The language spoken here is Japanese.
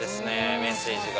メッセージが。